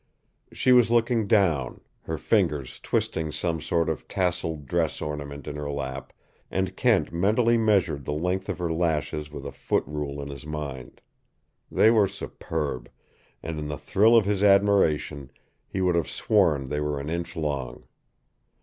She was looking down, her fingers twisting some sort of tasseled dress ornament in her lap, and Kent mentally measured the length of her lashes with a foot rule in mind. They were superb, and in the thrill of his admiration he would have sworn they were an inch long.